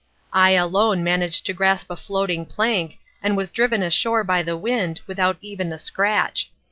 I alone managed to grasp a floating plank, and was driven ashore by the wind, without even a scratch.